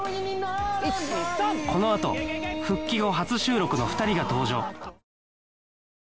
このあと復帰後初収録の２人が登場